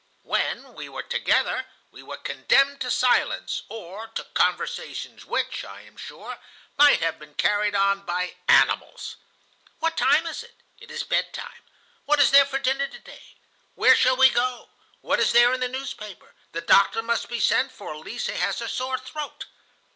When we were together; we were condemned to silence, or to conversations which, I am sure, might have been carried on by animals. "'What time is it? It is bed time. What is there for dinner to day? Where shall we go? What is there in the newspaper? The doctor must be sent for, Lise has a sore throat.